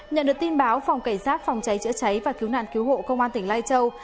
nhận được tin báo phòng cảnh sát phòng cháy chữa cháy và cứu nạn cứu hộ công an tỉnh lai châu